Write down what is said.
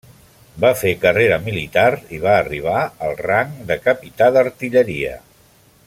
Va fer carrera militar i va arribar al rang de capità d'artilleria.